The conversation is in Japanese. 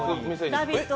「ラヴィット！」